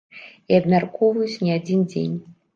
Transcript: І абмяркоўваюць не адзін дзень.